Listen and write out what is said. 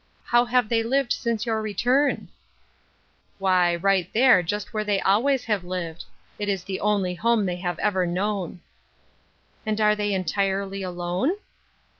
" How have they lived since your return ?"" Why, right *here, just where they always have lived. It is the only home they have ever known," " And they are entirely alone